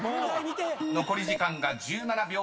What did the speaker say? ［残り時間が１７秒０４。